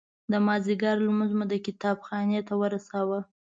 د مازدیګر لمونځ مو د کتاب خانې ته ورساوه.